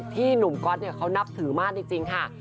หนุ่มก๊อตเขานับถือมากจริงค่ะ